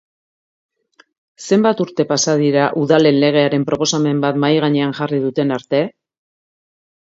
Zenbat urte pasa dira udalen legearen proposamen bat mahai gainean jarri duten arte?